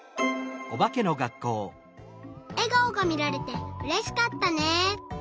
えがおがみられてうれしかったね。